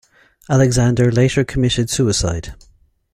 Alexander later committed suicide.